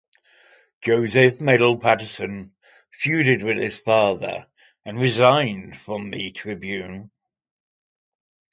Joseph Medill Patterson feuded with his father and resigned from the Tribune.